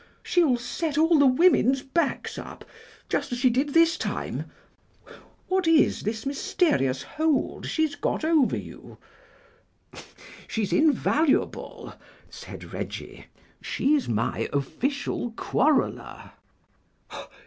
She'll set all the women's backs up just as she did this time. What is this mysterious hold she's go over you?" "She's invaluable," said Reggie; "she's my official quarreller."